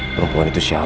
perempuan itu siapa ya